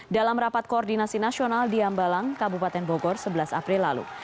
dalam rapat koordinasi nasional di ambalang kabupaten bogor sebelas april lalu